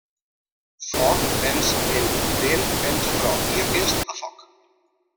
Foc venç a Vent, Vent venç a Tro i aquest a Foc.